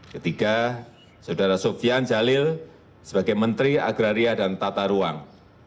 ketiga saudara sofian jalil sebagai menteri agraria dan tata ruang